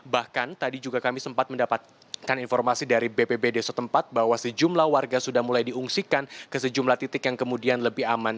bahkan tadi juga kami sempat mendapatkan informasi dari bpbd setempat bahwa sejumlah warga sudah mulai diungsikan ke sejumlah titik yang kemudian lebih aman